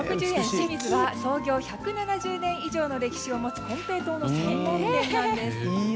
清水は創業１７０年以上の歴史を持つ金平糖の専門店なんです。